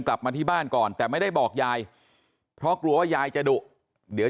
กลับมาที่บ้านก่อนแต่ไม่ได้บอกยายเพราะกลัวว่ายายจะดุเดี๋ยว